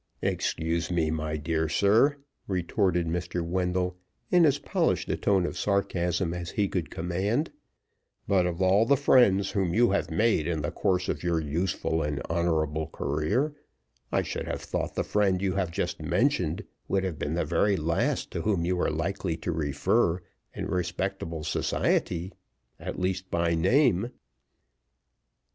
"Excuse me, my dear sir," retorted Mr. Wendell, in as polished a tone of sarcasm as he could command; "but of all the friends whom you have made in the course of your useful and honorable career, I should have thought the friend you have just mentioned would have been the very last to whom you were likely to refer in respectable society, at least by name."